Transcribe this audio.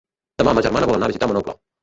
Demà ma germana vol anar a visitar mon oncle.